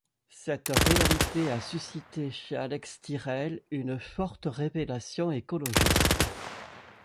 Cette réalité a suscité chez Alex Tyrrell une forte révélation écologiste.